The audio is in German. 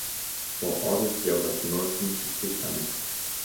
Vor Ort ist sie auch als Marlton Pike bekannt.